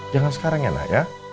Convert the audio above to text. jangan sekarang ya nak ya